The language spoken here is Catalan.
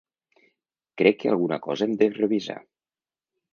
Crec que alguna cosa hem de revisar.